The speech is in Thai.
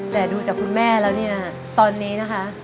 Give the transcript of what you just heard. แต่ดูจากคุณแม่แล้วเนี่ยตอนนี้นะคะ